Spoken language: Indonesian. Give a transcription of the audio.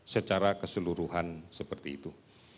secara keseluruhan seperti itu